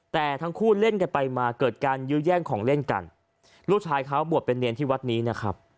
แต่ทั้งคู่เล่นกันไปมาเกิดการยื้อแย่งของเล่นกันลูกชายเขาบวชเป็นเนรที่วัดนี้นะครับ